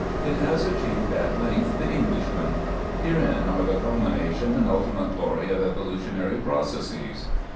It has achieved at length the Englishman. Herein are the culmination and ultimate glory of evolutionary processes.